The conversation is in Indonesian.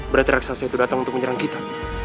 berarti raksasa itu datang untuk menyerang kita